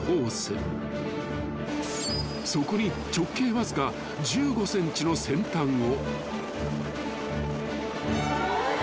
［そこに直径わずか１５ｃｍの先端を］